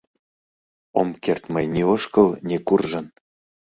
Ом керт мый ни ошкыл, ни куржын.